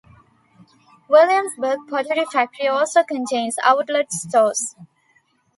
Williamsburg Pottery Factory also contains outlet stores.